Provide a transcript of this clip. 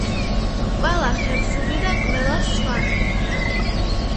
ყველა ხევსური და ყველა სვანი